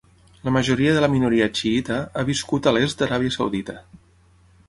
La majoria de la minoria xiïta, ha viscut a l'est d’Aràbia Saudita.